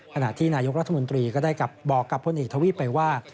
ขณะที่นายกรัฐมนตรีก็ได้กลับบอกกับพลเอกทวีปไปว่า